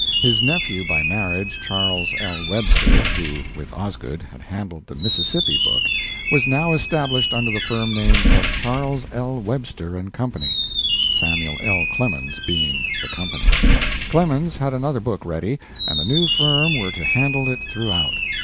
His nephew by marriage, Charles L. Webster, who, with Osgood, had handled the "Mississippi" book, was now established under the firm name of Charles L. Webster & Co., Samuel L. Clemens being the company. Clemens had another book ready, and the new firm were to handle it throughout.